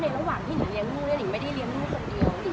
แล้วก็ในระหว่างที่หนูเรียงลูกเนี่ยหนึ่งไม่ได้เรียงลูกคนเดียว